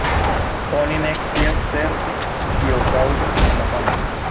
Oni ne scias certe, kio kaŭzas la malsanon.